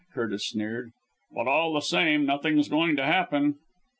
Curtis sneered; "but all the same nothing's going to happen."